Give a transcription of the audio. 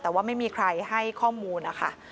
แต่ว่าไม่มีใครให้ข้อมูลนะคะ